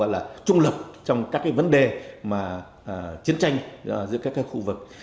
là trung lập trong các cái vấn đề mà chiến tranh giữa các khu vực